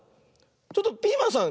ちょっとピーマンさん